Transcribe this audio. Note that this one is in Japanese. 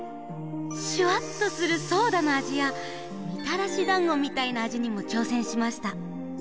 シュワっとするソーダのあじやみたらしだんごみたいなあじにもちょうせんしました。